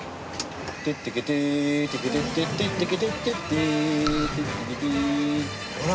「テッテケテテケテッテテッテケテッテッテ」「テッテケテ」ほら。